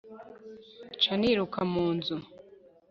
nca niruka mu nzu